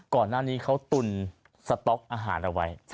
ก่อนหน้านี้เขาตุนสต๊อกอาหารเอาไว้